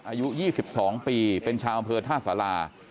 อายุ๒๒ปีเป็นชาวอำเภอท่าสารา